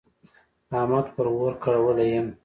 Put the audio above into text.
احمد پر اور کړولی يم.